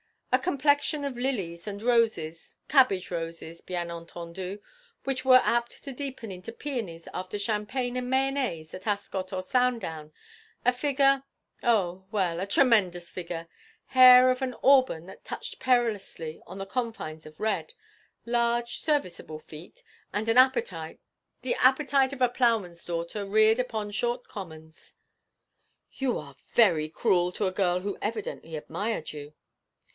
A complexion of lilies and roses cabbage roses, bien entendu, which were apt to deepen into peonies after champagne and mayonaise at Ascot or Sandown a figure oh well a tremendous figure hair of an auburn that touched perilously on the confines of red large, serviceable feet, and an appetite the appetite of a ploughman's daughter reared upon short commons.' 'You are very cruel to a girl who evidently admired you.'